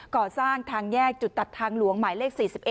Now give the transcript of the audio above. ก่อสร้างทางแยกจุดตัดทางหลวงหมายเลข๔๑